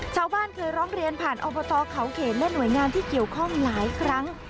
ชาวบ้านเคยร้องเรียนผ่านอบตเขาเขนและหน่วยงานที่เกี่ยวข้องหลายครั้ง